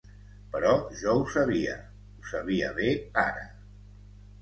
Però jo ho sabia, ho sabia bé ara.